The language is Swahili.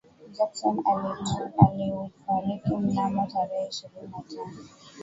Jackson alikufariki mnamo tarehe ishirini na tano